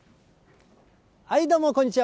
どうも、こんにちは。